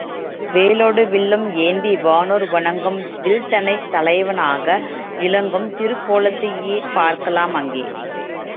வேலோடு வில்லும் ஏந்தி, வானோர் வணங்கும் வில்தானைத்தலைவனாக இலங்கும் திருக் கோலத்தையே பார்க்கலாம் அங்கே.